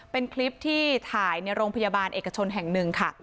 เป็นคลิปที่ถ่ายในโรงพยาบาลเอกชนแห่งหนึ่งค่ะ